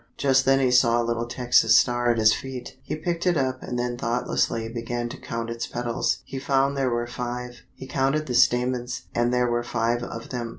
Just then he saw a little Texas Star at his feet. He picked it up and then thoughtlessly began to count its petals. He found there were five. He counted the stamens, and there were five of them.